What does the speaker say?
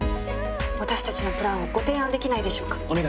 私たちのプランをご提案できないでしょうか。